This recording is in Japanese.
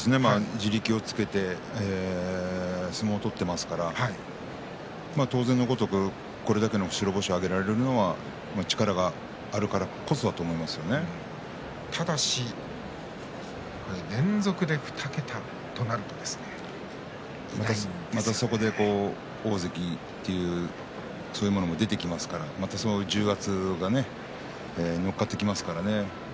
地力をつけて相撲を取っていますから当然のごとく、これだけの白星を挙げられるのは力があるからこそだとただし連続で２桁となるとまた、そこで大関という者も出てきますからまたそこで重圧がのっかってきますからね。